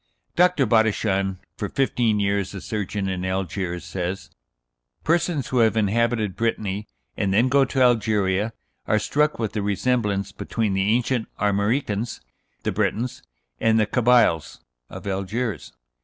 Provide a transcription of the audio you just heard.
Dr. Bodichon, for fifteen years a surgeon in Algiers, says: "Persons who have inhabited Brittany, and then go to Algeria, are struck with the resemblance between the ancient Armoricans (the Brètons) and the Cabyles (of Algiers).